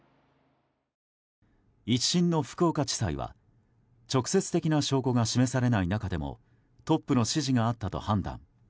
１審の福岡地裁は直接的な証拠が示されない中でもトップの指示があったと判断。